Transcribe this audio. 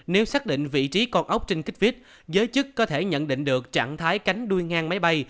nếu xác định vị trí con ốc trên kích vit giới chức có thể nhận định được trạng thái cánh đuôi ngang máy bay